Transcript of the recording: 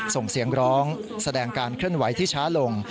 ส่งเสียงร้องแสดงการเคลื่อนไหวที่ช้าลง